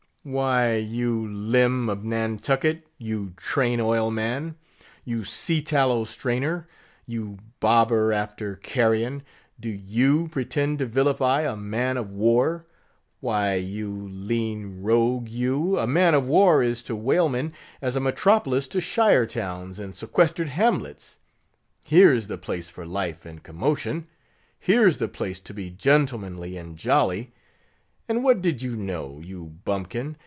"Why, you limb of Nantucket! you train oil man! you sea tallow strainer! you bobber after carrion! do you pretend to vilify a man of war? Why, you lean rogue, you, a man of war is to whalemen, as a metropolis to shire towns, and sequestered hamlets. Here's the place for life and commotion; here's the place to be gentlemanly and jolly. And what did you know, you bumpkin!